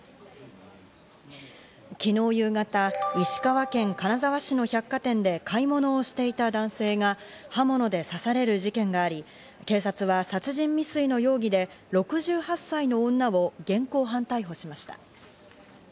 昨日夕方、石川県金沢市の百貨店で買い物をしていた男性が刃物で刺される事件があり、警察は殺人未遂の容疑で６８歳の女を現行犯逮捕しました。